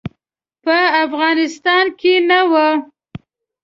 په افغانستان کې نه وو.